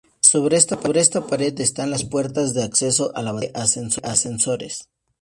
Sobre esta pared están las puertas de acceso a la batería de ascensores.